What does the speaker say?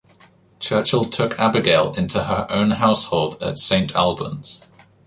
Churchill took Abigail into her own household at Saint Albans.